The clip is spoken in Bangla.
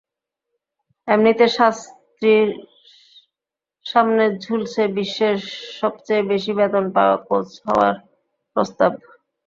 এমনিতে শাস্ত্রীর সামনে ঝুলছে বিশ্বের সবচেয়ে বেশি বেতন পাওয়া কোচ হওয়ার প্রস্তাব।